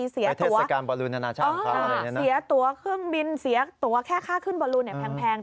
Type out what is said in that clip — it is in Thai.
เสียตัวเครื่องบินเสียตัวแค่คะขึ้นเบอร์โลนแพง